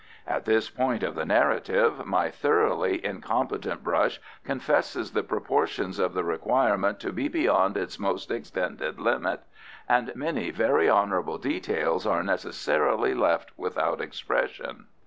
At this point of the narrative my thoroughly incompetent brush confesses the proportions of the requirement to be beyond its most extended limit, and many very honourable details are necessarily left without expression.